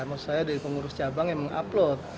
maksud saya dari pengurus cabang yang mengupload